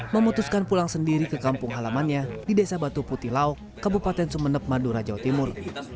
memutuskan pulang sendiri ke kampung halamannya di desa batu putih lauk kabupaten sumeneb madura jawa timur